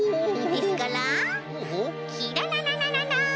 ですからキララララララン。